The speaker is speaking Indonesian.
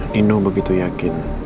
nino begitu yakin